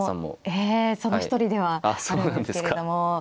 ええその一人ではあるんですけれども。